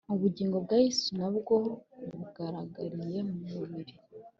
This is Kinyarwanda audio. ubugingo bwa Yesu na bwo bugaragarire mu mibiri